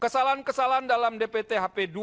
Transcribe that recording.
kesalahan kesalahan dalam dpt hp dua